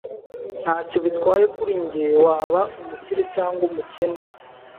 Ntacyo bitwaye kuri njye waba umukire cyangwa umukene.